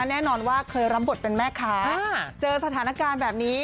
แน่นอนว่าเคยรับบทเป็นแม่ค้าเจอสถานการณ์แบบนี้